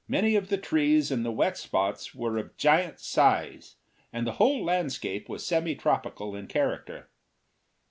Many of the trees in the wet spots were of giant size, and the whole landscape was semi tropical in character.